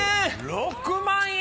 ６万円！